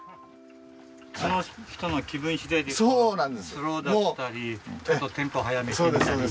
その人の気分次第でスローだったりちょっとテンポ速めてみたり。